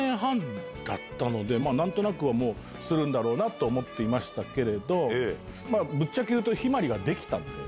何となくもうするんだろうなと思っていましたけれどぶっちゃけ言うと向日葵ができたんで。